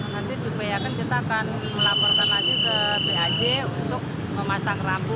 nanti supaya yakin kita akan melaporkan lagi ke baj untuk memasang rambu